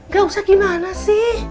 gak usah gimana sih